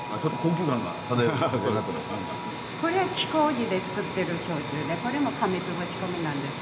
これは黄麹で造ってる焼酎でこれもかめつぼ仕込みなんです。